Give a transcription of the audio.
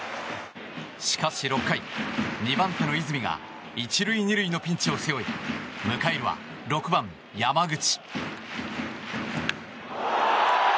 しかし、６回２番手の泉が１塁２塁のピンチを背負い迎えるは６番、山口。